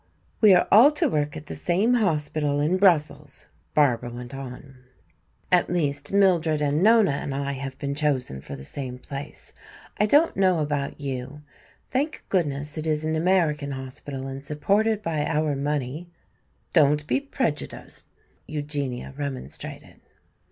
"We are all to work at the same hospital in Brussels," Barbara went on. "At least, Mildred and Nona and I have been chosen for the same place. I don't know about you. Thank goodness, it is an American hospital and supported by our money!" "Don't be prejudiced," Eugenia remonstrated.